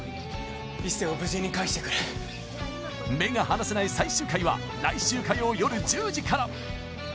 壱成を無事に帰してくれ目が離せない最終回は来週火曜よる１０時から！